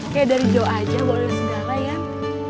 kayak dari joe aja boleh segala ya